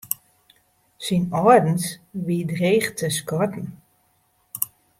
Syn âldens wie dreech te skatten.